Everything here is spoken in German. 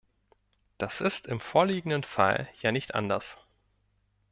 Das ist im vorliegenden Fall ja nicht anders.